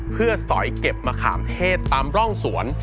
เพื่อสอยเก็บมะขามเทศตามร่องสวน